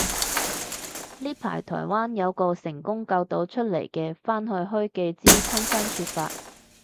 呢排台灣有個成功救到出嚟嘅返去開記招親身說法